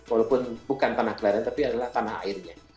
walaupun bukan tanah gelaran tapi adalah tanah airnya